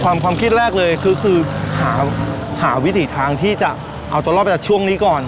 ความความคิดแรกเลยคือหาวิถีทางที่จะเอาตัวรอดไปจากช่วงนี้ก่อน